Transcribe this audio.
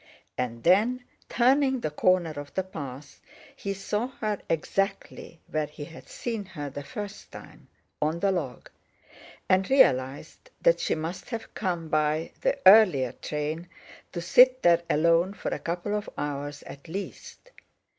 And then, turning the corner of the path, he saw her exactly where he had seen her the first time, on the log; and realised that she must have come by the earlier train to sit there alone for a couple of hours at least.